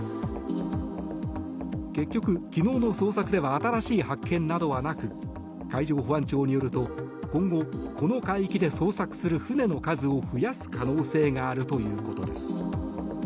結局、昨日の捜索では新しい発見などはなく海上保安庁によると、今後この海域で捜索する船の数を増やす可能性があるということです。